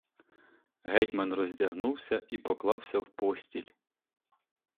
Гетьман роздягнувся і поклався в постіль.